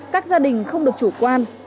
các gia đình không được chủ quan